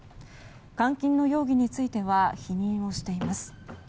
監禁の容疑については否認をしています。